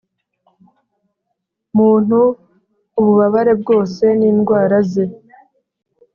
muntu ububabare bwose nindwara ze